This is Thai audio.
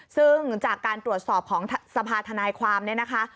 ซึ่งจากการตรวจสอบของสภาธนายความเนี่ยนะคะ